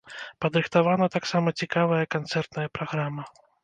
Падрыхтавана таксама цікавая канцэртная праграма.